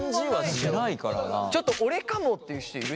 ちょっと俺かもっていう人いる？